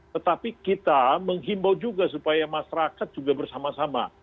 tetapi kita menghimbau juga supaya masyarakat juga bersama sama